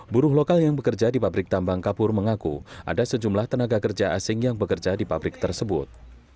buruh lokal yang bekerja di pabrik tambang kapur mengaku ada sejumlah tenaga kerja asing yang bekerja di pabrik tersebut